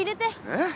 えっ？